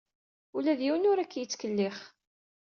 Ula d yiwen ur ak-yettkellix.